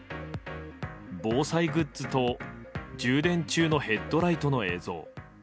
防災グッズと充電中のヘッドライトの映像。